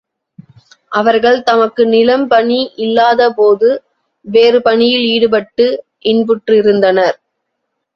அவர்கள் தமக்கு நிலம் பணி இல்லாதபோது, வேறு பணியில் ஈடுபட்டு இன்புற்றிருந்தனர்.